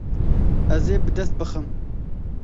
Ez ê bi dest bixim.